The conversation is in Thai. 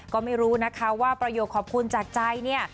ก็ไม่รู้นะคะว่าประโยคขอบคุณจากใจเนี่ย